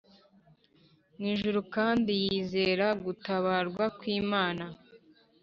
mwijuru kandi yizera gutabarwa kwimana